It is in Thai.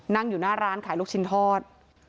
นั่งอยู่หน้าร้านขายลูกชิ้นทอด